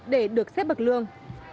để được xếp bậc lương